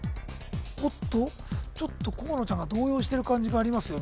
おっとちょっと河野ちゃんが動揺してる感じがありますよ